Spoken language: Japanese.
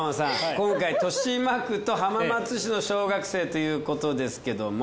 今回豊島区と浜松市の小学生ということですけれども。